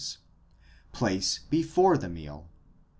place before the meal.?